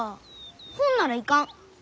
ほんなら行かん。